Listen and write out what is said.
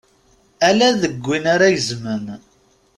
Ala deg win ara gezmen.